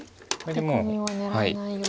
これでもう。